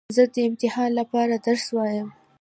زه د امتحان له پاره درس وایم.